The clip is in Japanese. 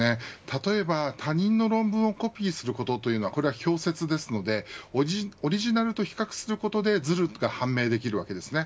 例えば他人の論文をコピーするということは剽せつですのでオリジナルと比較することでずるが判明できるわけです。